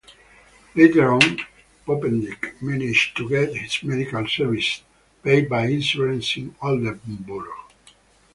Later on, Poppendick managed to get his medical services paid by insurance, in Oldenburg.